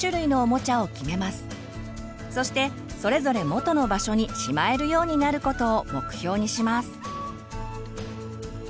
そしてそれぞれ元の場所にしまえるようになることを目標にします。